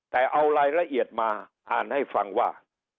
แต่เอารายละเอียดมาอ่านให้ฟังว่า